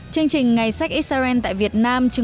chương trình ngày sách israel tại việt nam